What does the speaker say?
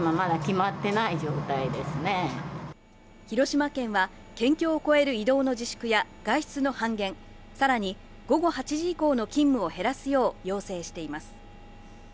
広島県は県境を越える移動の自粛や外出の半減、さらに午後８時以降の勤務を減らすよう要請しています。